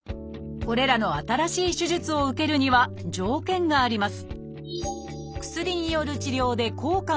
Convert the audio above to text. これらの新しい手術を受けるには条件があります